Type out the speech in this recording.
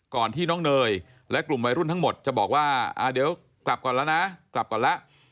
ก่อนที่น้องเนยและกลุ่มวัยรุ่นทั้งหมดจะบอกว่าเดี๋ยวกลับก่อนแล้วนะกลับก่อนแล้ว